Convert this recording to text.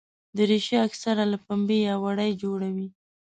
دریشي اکثره له پنبې یا وړۍ جوړه وي.